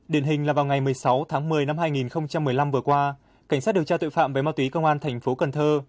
điện hình là vào ngày một mươi sáu tháng một mươi năm hai nghìn một mươi năm vừa qua cảnh sát điều tra tội phạm với ma túy công an tp cần thơ